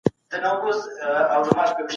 ټولنه د انسان طبيعي چاپېريال دی.